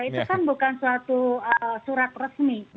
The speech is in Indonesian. itu kan bukan suatu surat resmi